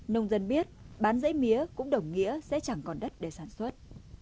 nông dân biết bán giấy mía cũng đồng nghĩa sẽ chẳng còn đất để sản xuất